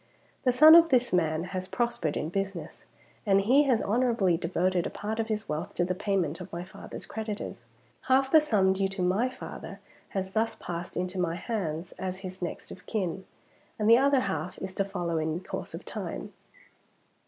The son of this man has prospered in business, and he has honorably devoted a part of his wealth to the payment of his father's creditors. Half the sum due to my father has thus passed into my hands as his next of kin; and the other half is to follow in course of time.